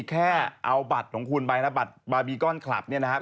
แค่เอาบัตรของคุณไปนะบัตรบาร์บีก้อนคลับเนี่ยนะครับ